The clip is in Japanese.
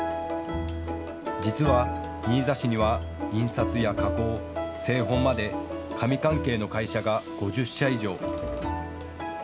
実は新座市には印刷や加工、製本まで紙関係の会社が５０社以上。